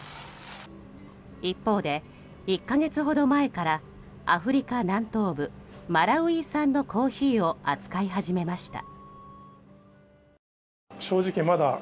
一方で、１か月ほど前からアフリカ南東部マラウイ産のコーヒーを扱い始めました。